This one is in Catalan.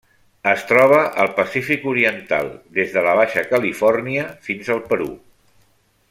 Es troba al Pacífic oriental: des de la Baixa Califòrnia fins al Perú.